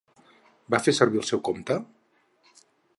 Va fer servir el seu compte?